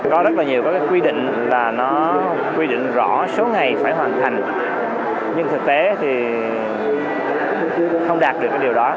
có rất là nhiều quy định quy định rõ số ngày phải hoàn thành nhưng thực tế thì không đạt được điều đó